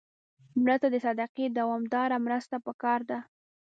مړه ته د صدقې دوامداره مرسته پکار ده